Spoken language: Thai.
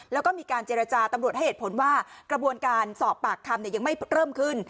แล้วก็มีการเจรจาตำรวจให้เหตุผลว่ากระบวนการสอบปากคำยังไม่เริ่มขึ้น